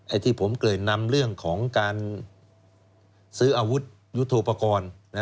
ที่ผมเกริ่นนำเรื่องของการซื้ออาวุธยุทธโปรกรณ์